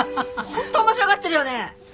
本当面白がってるよね！